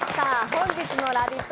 本日のラヴィット！